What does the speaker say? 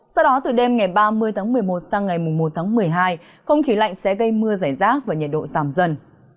sau đó từ đêm ngày ba mươi tháng một mươi một sang ngày một tháng một mươi hai không khí lạnh sẽ gây mưa giải rác và nhiệt độ giảm dần